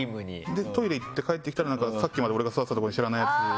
トイレ行って帰ってきたらさっきまで俺が座ってたとこに。